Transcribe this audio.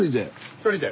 １人で。